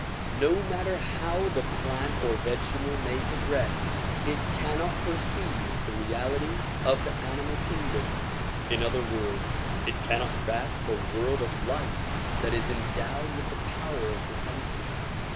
No matter how the plant or vegetable may progress it cannot perceive the reality of the animal kingdom; in other words it cannot grasp a world of life that is endowed with the power of the senses.